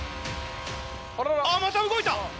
あっまた動いた！